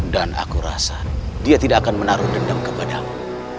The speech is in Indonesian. dan aku rasa dia tidak akan menaruh dendam kepadamu